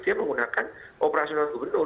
dia menggunakan operasional gubernur